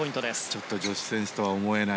ちょっと女子選手とは思えない